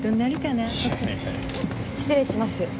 失礼します。